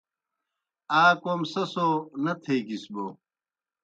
آ کوْم سہ سو نہ تھیگِس بوْ